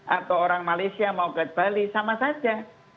atau orang malaysia mau ke bali sama saja